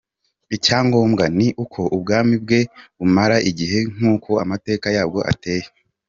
Icya ngombwa ni uko ubwami bwe bumara igihe, nk’uko amateka yabwo ateye.